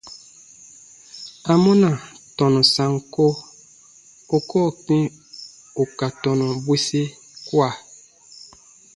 Amɔna tɔnu sanko u koo kpĩ ù ka tɔnu bwisi kua?